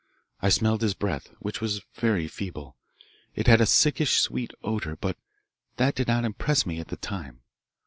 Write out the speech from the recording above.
I smelled his breath, which was very feeble. It had a sickish sweet odour, but that did not impress me at the time.